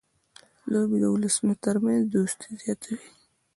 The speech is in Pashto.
لوبې د اولسونو ترمنځ دوستي زیاتوي.